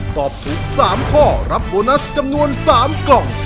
ตอบถูก๓ข้อรับโบนัสจำนวน๓กล่อง